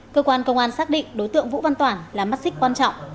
cơ quan công an xác định đối tượng vũ văn toản là mắt xích quan trọng